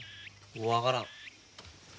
分からん。